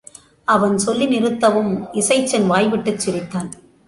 அவன் சொல்லி நிறுத்தவும் இசைச்சன் வாய்விட்டுச் சிரித்தான்.